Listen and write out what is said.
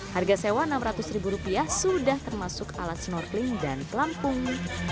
harga sewa rp enam ratus sudah termasuk alat snorkeling dan pelampung